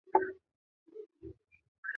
治所在齐熙县。